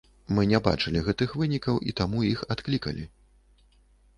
Мы не бачылі гэтых вынікаў і таму іх адклікалі.